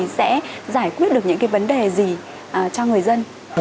sẽ giải quyết được những vấn đề gì cho người dân